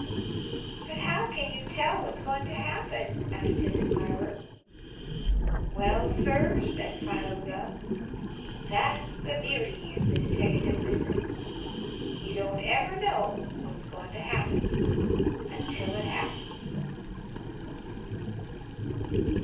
"But how can you tell what's goin' to happen?" asked his admirer. "Well, sir," said Philo Gubb, "that's the beauty of the deteckative business. You don't ever know what's goin' to happen until it happens."